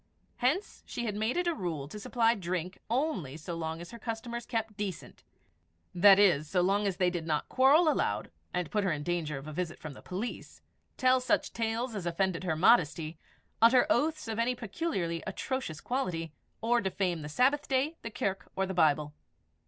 Hence she had made it a rule to supply drink only so long as her customers kept decent that is, so long as they did not quarrel aloud, and put her in danger of a visit from the police; tell such tales as offended her modesty; utter oaths of any peculiarly atrocious quality; or defame the Sabbath Day, the Kirk, or the Bible.